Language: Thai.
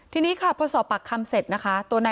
ทักษะด่าเล่มนี้ค่ะหลัง